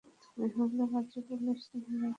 তুমি হলে বাজে পুলিশ, তুমি লাজুক চাকরানি।